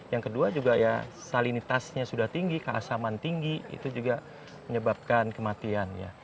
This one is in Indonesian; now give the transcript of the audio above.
yang kedua juga ya salinitasnya sudah tinggi keasaman tinggi itu juga menyebabkan kematian